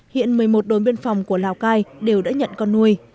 hiện một mươi một đồn biên phòng của lào cai đều đã nhận con nuôi